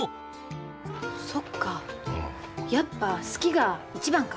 そっかやっぱ好きが一番か。